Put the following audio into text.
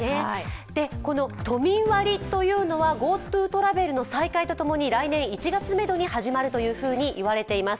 都民割というのはＧｏＴｏトラベルの再開とともに来年１月めどに始まると言われています。